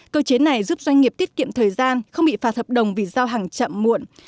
cơ chế này giúp doanh nghiệp tiết kiệm thời gian không bị phạt hợp đồng vì giao hàng chậm muộn